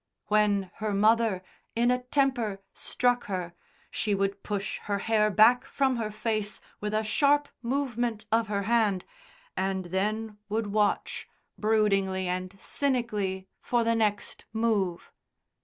When her mother, in a temper, struck her, she would push her hair back from her face with a sharp movement of her hand and then would watch broodingly and cynically for the next move.